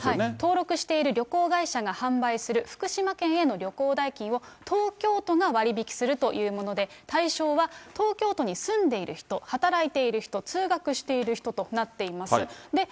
登録している旅行会社が販売する福島県への旅行代金を東京都が割引するというもので、対象は東京都に住んでいる人、働いている人、通学している人となっています。